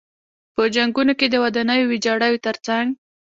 په جنګونو کې د ودانیو ویجاړیو تر څنګ.